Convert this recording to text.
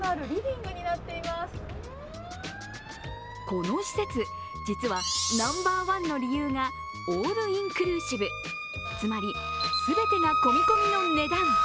この施設、実はナンバー１の理由がオールインクルーシブ、つまり全てが込み込みの値段！